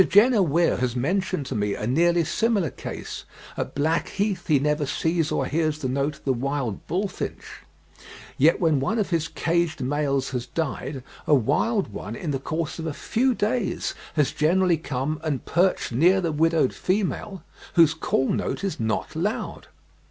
Jenner Weir has mentioned to me a nearly similar case; at Blackheath he never sees or hears the note of the wild bullfinch, yet when one of his caged males has died, a wild one in the course of a few days has generally come and perched near the widowed female, whose call note is not loud.